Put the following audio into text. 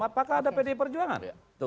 apakah ada pdi perjuangan